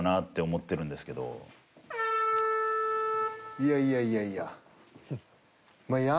いやいやいやいや。